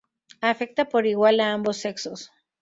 Afecta por igual a ambos sexos.